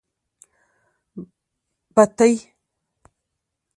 بتۍ.